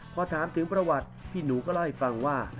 พอถามถึงประวัติพี่หนูก็เล่าให้ฟังว่า